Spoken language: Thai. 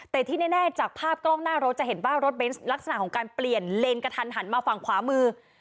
แต่ที่แน่จากภาพกล้องหน้ารถจะเห็นว่ารถเบนส์ลักษณะของการเปลี่ยนเลนกระทันหันมาฝั่งขวามือ